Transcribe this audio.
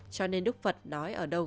cho nên đức phật nói ở đâu